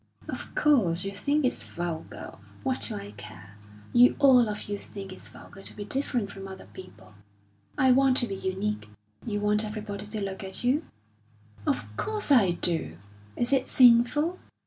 "Of course, you think it's vulgar. What do I care? You all of you think it's vulgar to be different from other people. I want to be unique." "You want everybody to look at you?" "Of course I do! Is it sinful?